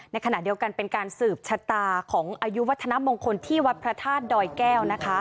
ในขณะเดียวกันเป็นการสืบชะตาของอายุวัฒนามงคลที่วัดพระธาตุดอยแก้วนะคะ